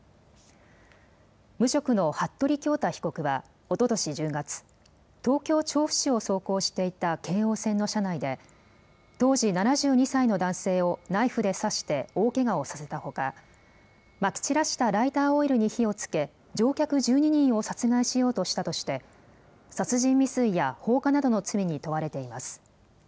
無職の服部恭太被告は、おととし１０月、東京・調布市を走行していた京王線の車内で、当時７２歳の男性をナイフで刺して大けがをさせたほか、まき散らしたライターオイルに火をつけ、乗客１２人を殺害しようとしたとして、殺人未遂や放火などの罪に問われています。